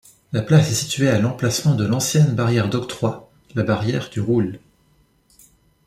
La place est située à l'emplacement de l'ancienne barrière d'octroi, la barrière du Roule.